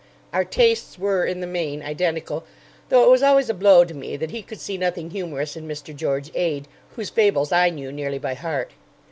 Our tastes were in the main identical, though it was always a blow to me that he could see nothing humorous in Mr. George Ade, whose Fables I knew nearly by heart.